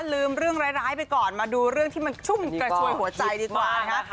ลืมเรื่องร้ายไปก่อนมาดูเรื่องที่มันชุ่มกระชวยหัวใจดีกว่านะคะ